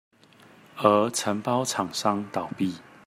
而承包廠商倒閉